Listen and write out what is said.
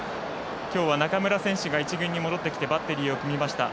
きょうは中村選手が１軍に戻ってきてバッテリーを組みました。